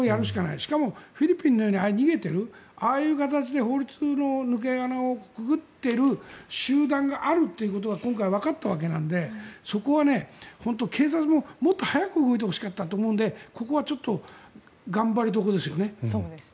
しかもフィリピンのようにああいう逃げているああいう形で法律の抜け穴をくぐっている集団がいると今回わかったわけなんでそこは警察ももっと早く動いてほしかったと思うのでここはちょっと頑張りどころですよね。